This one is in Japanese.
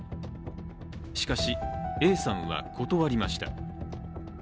しかし、Ａさんは断りました。